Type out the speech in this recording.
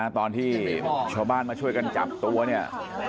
ตอนที่ชาวบ้านมาช่วยกันจับตัวเนี่ย